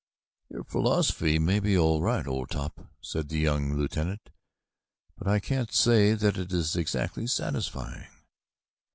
"Your philosophy may be all right, old top," said the young lieutenant, "but I can't say that it is exactly satisfying."